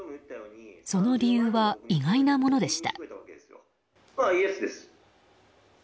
その理由は、意外なものでした。